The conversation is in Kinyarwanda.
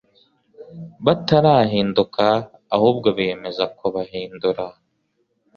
batarahinduka Ahubwo biyemeza kubahindura